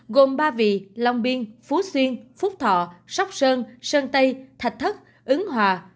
gồm ba vì long biên phú xuyên phúc thọ sóc sơn sơn tây thạch thất ứng hòa